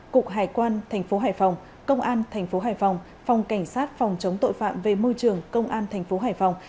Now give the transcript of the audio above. cục hải quan tp hải phòng công an tp hải phòng phòng cảnh sát phòng chống tội phạm về môi trường công an tp hải phòng